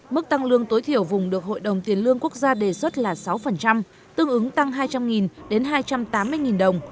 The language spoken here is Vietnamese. mức tăng lương tối thiểu vùng được hội đồng tiền lương quốc gia đề xuất là sáu tương ứng tăng hai trăm linh đến hai trăm tám mươi đồng